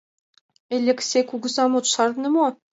— Элексей кугызам от шарне мо?